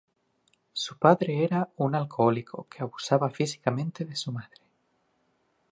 Su padre era un alcohólico que abusaba físicamente de su madre.